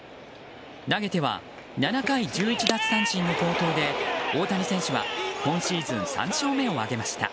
投げては７回１１奪三振の好投で大谷選手は今シーズン３勝目を挙げました。